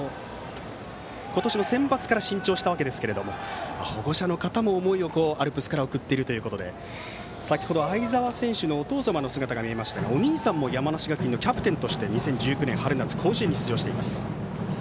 今年のセンバツから新調したわけですが保護者の方も思いをアルプスから送っているということで先程、相澤選手のお父様の姿が見えましたがお兄さんも山梨学院のキャプテンとして２０１９年春夏の甲子園に出場しています。